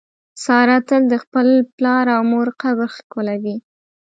ساره تل د خپل پلار او مور قبر ښکلوي.